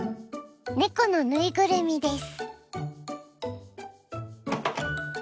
猫のぬいぐるみです。